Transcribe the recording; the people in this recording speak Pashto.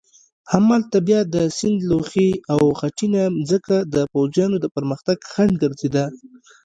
همالته بیا د سیند لوخې او خټینه مځکه د پوځیانو د پرمختګ خنډ ګرځېده.